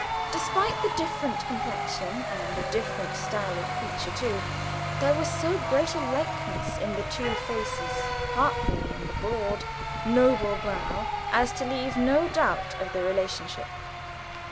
Despite the different complexion and a different style of feature too, there was so great a likeness in the two faces, particularly in the broad, noble brow, as to leave no doubt of the relationship.